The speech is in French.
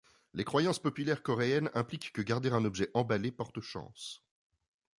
Les croyances populaires coréennes impliquent que garder un objet emballé porte-chance.